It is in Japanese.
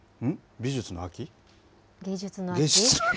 美術の秋？